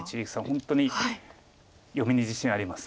本当に読みに自信あります。